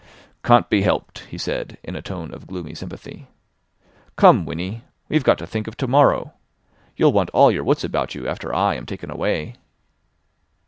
"Can't be helped," he said in a tone of gloomy sympathy. "Come, Winnie, we've got to think of to morrow. You'll want all your wits about you after I am taken away."